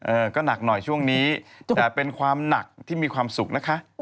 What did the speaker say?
ก็หนักหน่อยช่วงนี้แต่เป็นความหนักที่มีความสุขนะคะ